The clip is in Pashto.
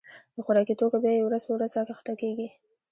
د خوراکي توکو بيي ورځ په ورځ را کښته کيږي.